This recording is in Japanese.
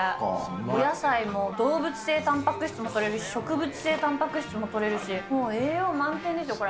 お野菜も動物性たんぱく質もとれるし、植物性たんぱく質もとれるし、もう栄養満点ですよ、これ。